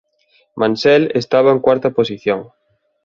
Mansell estaba en cuarta posición.